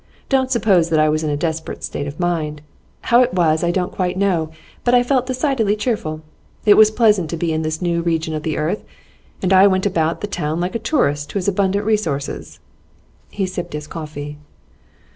Don't suppose that I was in a desperate state of mind; how it was, I don't quite know, but I felt decidedly cheerful. It was pleasant to be in this new region of the earth, and I went about the town like a tourist who has abundant resources.' He sipped his coffee.